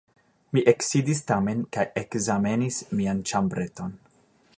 Mi eksidis tamen kaj ekzamenis mian ĉambreton.